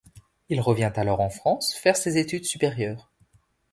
Il revient alors en France faire ses études supérieures.